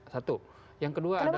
satu yang kedua adalah